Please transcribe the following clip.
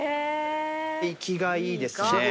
生きがいいですね。